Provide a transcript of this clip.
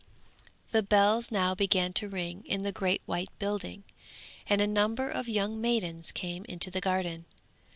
The bells now began to ring in the great white building, and a number of young maidens came into the garden.